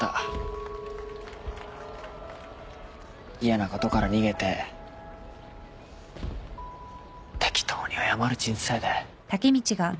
嫌なことから逃げて適当に謝る人生で。